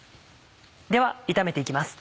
では炒めて行きます。